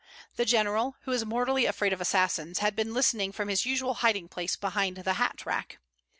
The General, who is mortally afraid of assassins, had been listening from his usual hiding place behind the hat rack.